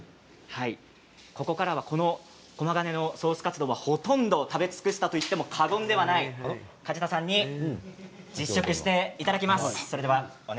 ここからは駒ヶ根のソースカツ丼はほとんど食べ尽くしたと言っても過言ではない梶田さんに実食していただきます。